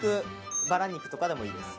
バラ肉とかでもいいです。